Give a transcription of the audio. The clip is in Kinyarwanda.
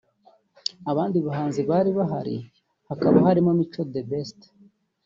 abandi bahanzi bari bahari hakaba harimo Mico The Best